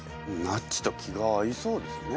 なっちと気が合いそうですね。